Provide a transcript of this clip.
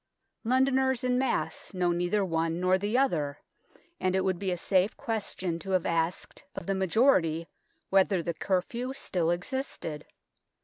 Londoners en masse know neither one nor the other, and it would be a safe question to have asked of the majority whether the cur few still existed.